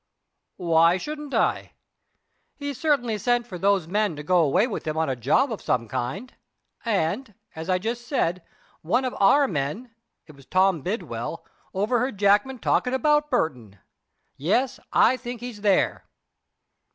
"Why shouldn't I? He certainly sent for those men to go away with him on a job of some kind; and, as I just said, one of our men it was Tom Bidwell overheard Jackman talkin' about Burton. Yes, I think he's there."